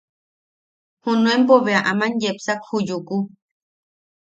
Junuenpo bea aman yepsak ju Yuku.